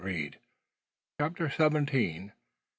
CHAPTER SEVENTEEN.